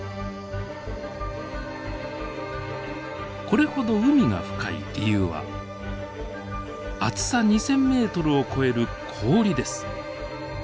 これほど海が深い理由は厚さ２，０００ｍを超える氷です。